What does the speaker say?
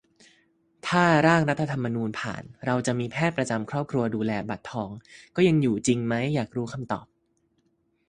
ถ้า ร่างรัฐธรรมนูญ ผ่าน เราจะมีแพทย์ประจำครอบครัวดูแล บัตรทอง ก็ยังอยู่จริงไหม อยากรู้คำตอบ